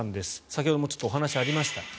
先ほどもちょっとお話がありました